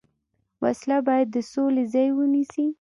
وسله باید د سولې ځای ونیسي